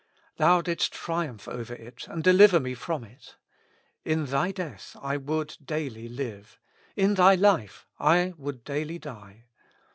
Thou didst triumph over it and deliver me from it. In Thy death I would daily live ; in Thy life I would daily die.